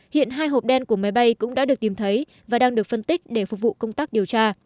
hiện hai hộp đen của máy bay cũng đã được tìm thấy và đang được phân tích để phục vụ công tác điều tra